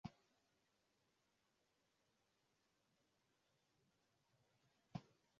makabila ya kifugaji kwenye vita yamekuwa juu kulinganisha na wakulima